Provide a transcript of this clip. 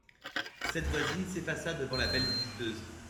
Cette voisine s'effaça devant la belle visiteuse.